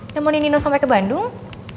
nemo nino sampe ke bandung